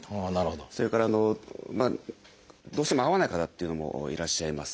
それからどうしても合わない方っていうのもいらっしゃいます。